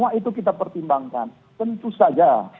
semua itu kita pertimbangkan tentu saja